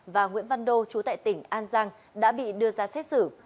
và nguyễn văn đô chú tại tỉnh an giang đã bị đưa ra xét xử